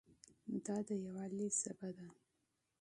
دا د یووالي ژبه ده.